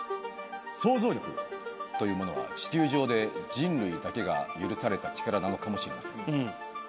想像力というものは地球上で人類だけが許された力なのかもしれません。